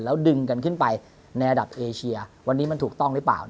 แล้วดึงกันขึ้นไปในระดับเอเชียวันนี้มันถูกต้องหรือเปล่า